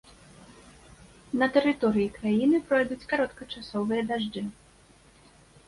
На тэрыторыі краіны пройдуць кароткачасовыя дажджы.